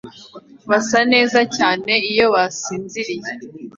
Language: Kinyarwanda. Basa neza cyane iyo basinziriye